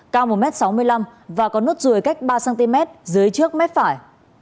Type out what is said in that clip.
cao một m sáu mươi năm và có nốt ruồi cách ba cm dưới trước mép phải